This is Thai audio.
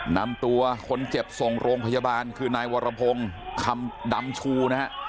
นำตัวคนเจ็บส่งโรงพยาบาลคือนายวรพงศ์คำดำชูนะฮะ